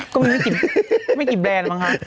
ก็ไม่กี่แบรนด์มั้งคะ